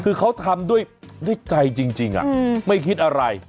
คือเขาทำด้วยใจจริงไม่คิดอะไร